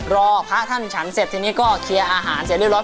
รอพระท่านฉันเสร็จทีนี้ก็เคลียร์อาหารเสร็จเรียร้อ